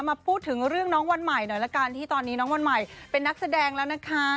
มาพูดถึงเรื่องน้องวันใหม่หน่อยละกันที่ตอนนี้น้องวันใหม่เป็นนักแสดงแล้วนะคะ